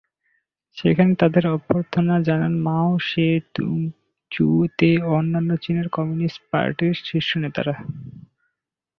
সেখানে তাদের অভ্যর্থনা জানান মাও সে তুং, চু তে ও অন্যান্য চীনের কমিউনিস্ট পার্টির শীর্ষ নেতারা।